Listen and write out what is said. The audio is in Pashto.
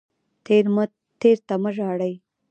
تیر ته مه ژاړئ